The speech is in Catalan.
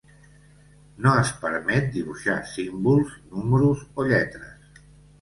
No es permet dibuixar símbols, números o lletres.